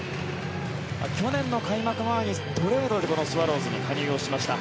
去年の開幕前にトレードでこのスワローズに加入しました。